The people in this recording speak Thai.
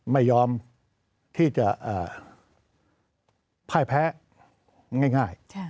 ไม่ยอมที่จะพ่ายแพ้ง่าย